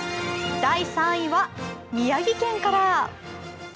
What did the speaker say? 第３位は宮城県から。